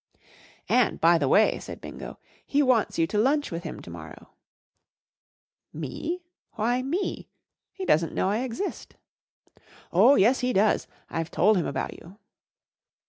*' And, by the way," said B i n go, " he wants you to lunch with him to mor¬ row/ 1 "Me? Why m e ? He doesn't know I exist." "Oh, yes* he does. I've told him about you."